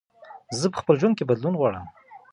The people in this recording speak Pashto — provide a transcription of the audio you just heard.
زه په خپل ژوند کې بدلون غواړم.